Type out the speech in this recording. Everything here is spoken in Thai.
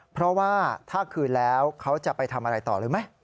เพราะว่าถ้าคืนแล้วเขาจะไปทำอะไรต่อรู้ไหม